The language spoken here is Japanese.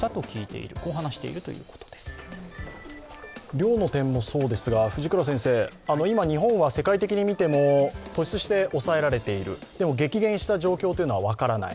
量の点もそうですが、今、日本は世界的に見ても突出して抑えられている、でも激減した状況は分からない。